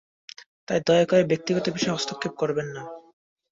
তাই, দয়া করে ব্যক্তিগত বিষয়ে হস্তক্ষেপ করবেন না।